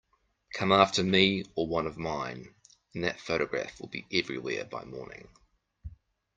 Come after me or one of mine, and that photograph will be everywhere by morning.